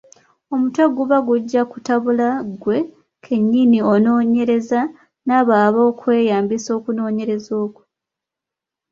Omutwe guba gujja kutabula ggwe kennyini onoonyereza n’abo abookweyambisa okunoonyereza okwo.